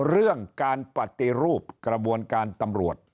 เรื่องการปฏิรูปกระบวนการตำรวจ